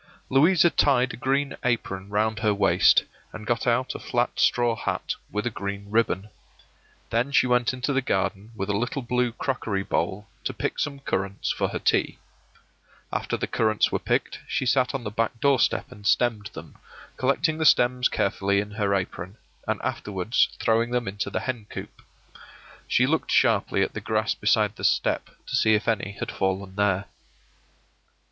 Louisa tied a green apron round her waist, and got out a flat straw hat with a green ribbon. Then she went into the garden with a little blue crockery bowl, to pick some currants for her tea. After the currants were picked she sat on the back door step and stemmed them, collecting the stems carefully in her apron, and afterwards throwing them into the hen coop. She looked sharply at the grass beside the step to see if any had fallen there.